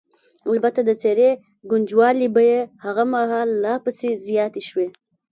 البته د څېرې ګونجوالې به یې هغه مهال لا پسې زیاتې شوې.